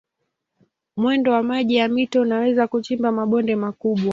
Mwendo wa maji ya mito unaweza kuchimba mabonde makubwa.